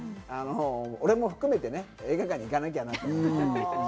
俺も含めて映画館に行かなきゃなと思うよね。